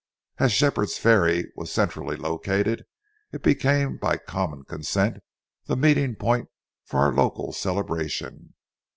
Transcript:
As Shepherd's Ferry was centrally located, it became by common consent the meeting point for our local celebration.